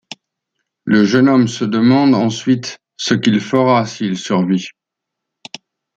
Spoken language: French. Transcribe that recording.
Le jeune homme se demande ensuite ce qu’il fera s'il survit.